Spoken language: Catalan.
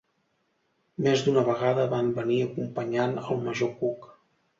Més d'una vegada van venir acompanyant el major Cook.